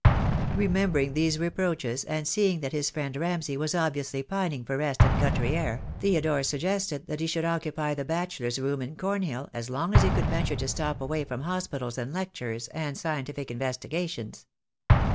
Remembering these reproaches, and seeing that his friend Ramsay was obviously pining for rest and country air, Theodore suggested that he should occupy the bachelor's room in Cornhill as long as he could ven ture to stop away from hospitals and lectures and scientific investigations.